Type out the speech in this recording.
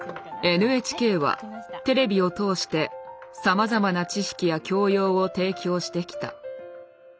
ＮＨＫはテレビを通してさまざまな知識や教養を提供してきた。